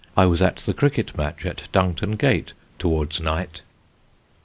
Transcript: I was at the cricket match at Dungton Gate towards night.